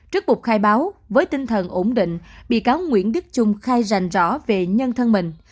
trước buộc khai báo với tinh thần ổn định bị cáo nguyễn đức trung khai rành rõ về nhân thân mình